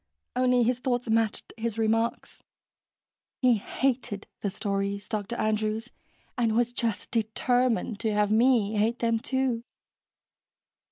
Only his thoughts matched his remarks. He hated the stories, Dr. Andrews, and was just determined to have me hate them, too.